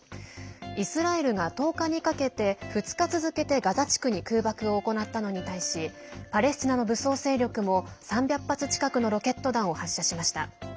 イスラエルが１０日にかけて２日続けてガザ地区に空爆を行ったのに対しパレスチナの武装勢力も３００発近くのロケット弾を発射しました。